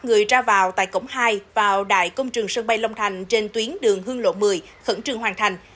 người ra vào tại cổng hai vào đại công trường sân bay long thành trên tuyến đường hương lộ một mươi khẩn trương hoàn thành